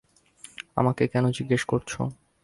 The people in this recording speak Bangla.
আমাকে কেন জিজ্ঞেস করছ?